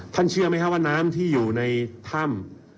เชื่อไหมครับว่าน้ำที่อยู่ในถ้ำ